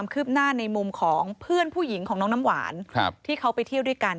ซึ่งผู้หญิงของน้องน้ำหวานที่เขาไปเที่ยวด้วยกัน